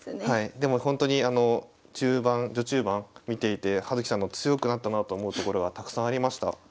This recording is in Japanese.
でもほんとに中盤序中盤見ていて葉月さんの強くなったなと思うところはたくさんありました。